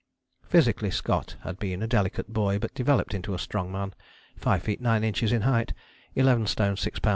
" Physically Scott had been a delicate boy but developed into a strong man, 5 feet 9 inches in height, 11 stone 6 lbs.